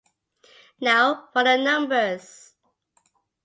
Now for the numbers.